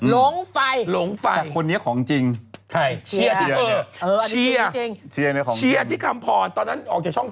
หลงไฟแต่คนนี้ของจริงใช่ชีอาทิกคำพอด์ตอนนั้นออกจากช่อง๗